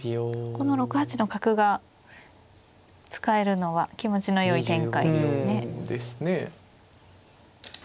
この６八の角が使えるのは気持ちのよい展開ですね。ですね。